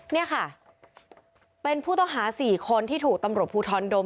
นี่ค่ะเป็นผู้ต้องหา๔คนที่ถูกตำรวจภูทรดม